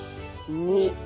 ２。